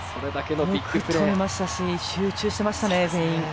よくとれましたし集中してましたね、全員。